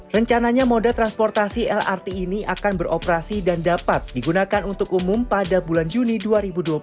rencananya moda transportasi lrt ini akan beroperasi dan dapat digunakan untuk umum pada bulan jumat